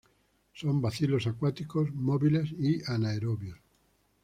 Son bacilos acuáticos, móviles y anaerobios.